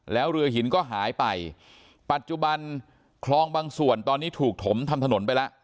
แล้วเรือหินก็หายไปปัจจุบันคลองบางส่วนตอนนี้ถูกถมทำถนนไปแล้ว